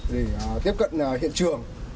để tiếp cận hiện trường